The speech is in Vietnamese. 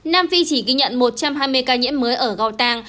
nam phi chỉ ghi nhận một trăm hai mươi ca nhiễm mới ở gotang